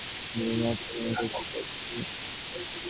তাই আপাতত অন্য কোনো ছবি নিয়ে মাথা ঘামাতে চাইছেন না।